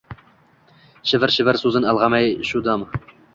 Shivir-shivir so’zin ilg’ayman shu dam: